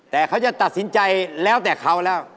แต่เขาจะตัดสินใจแล้วแต่เขาแล้ว